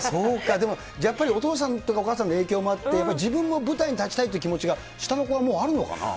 でも、やっぱりお父さんとかお母さんの影響もあって、自分も舞台に立ちたいっていう気持ちが下の子はもうあるのかな？